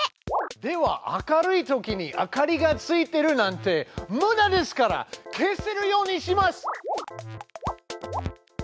では明るいときに明かりがついてるなんてむだですから消せるようにします！